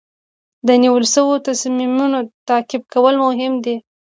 د نیول شوو تصمیمونو تعقیب کول مهم دي.